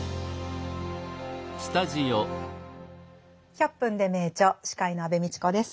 「１００分ｄｅ名著」司会の安部みちこです。